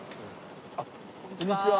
あっこんにちは。